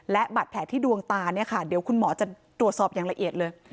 และบาดแผลที่ดวงตาเนี่ยค่ะเดี๋ยวคุณหมอจะตรวจสอบอย่างละเอียดเลย